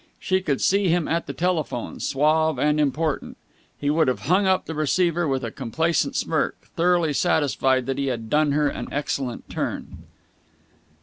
She could see him at the telephone, suave and important. He would have hung up the receiver with a complacent smirk, thoroughly satisfied that he had done her an excellent turn.